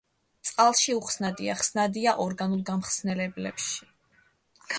წყალში უხსნადია, ხსნადია ორგანულ გამხსნელებში.